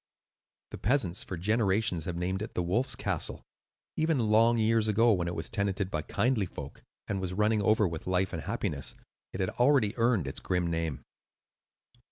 The peasants for generations have named it "The Wolf's Castle." Even long years ago, when it was tenanted by kindly folk and was running over with life and happiness, it had already earned its grim name.